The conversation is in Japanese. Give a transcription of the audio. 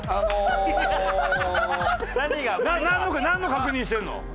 なんの確認してるの？